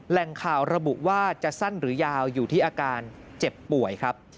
แหล่งข่าวระบุว่าจะสั้นหรือยาวอยู่ที่อาการเจ็บป่วยครับ